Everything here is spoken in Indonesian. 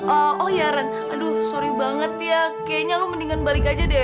eee oh iya ren aduh sorry banget ya kayaknya lo mendingan balik aja deh